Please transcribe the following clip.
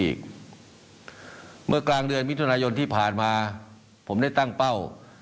เมื่อกลางเดือนมิถุนายนที่ผ่านมาผมได้ตั้งเป้า